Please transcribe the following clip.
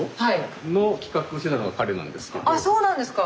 あっそうなんですか。